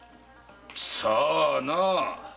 さあな。